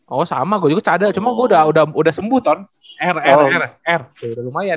oh sama gue juga cadel cuma gue udah sembuh ton r r r r r r